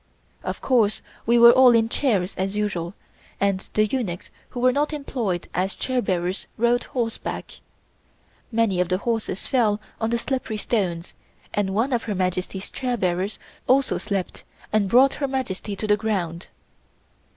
Of course we were all in chairs, as usual, and the eunuchs who were not employed as chair bearers rode horseback. Many of the horses fell on the slippery stones and one of Her Majesty's chair bearers also slipped and brought Her Majesty to the ground.